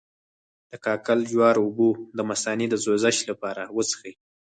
د کاکل جوار اوبه د مثانې د سوزش لپاره وڅښئ